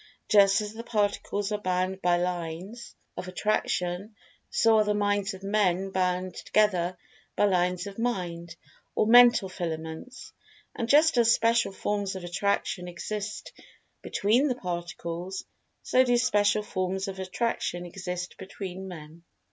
Just as the Particles are bound by lines of Attraction, so are the Minds of Men bound together by lines of Mind, or Mental filaments. And just as special forms of Attraction exist between the Particles, so do special forms of Attraction exist between Men.